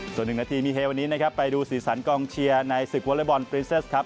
ส่วนหนึ่งนาทีมีเฮวันนี้นะครับไปดูสีสันกองเชียร์ในศึกวอเล็กบอลปรินเซสครับ